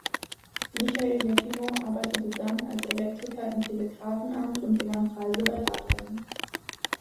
Michail Jefimow arbeitete dann als Elektriker im Telegraphenamt und gewann Preise bei Radrennen.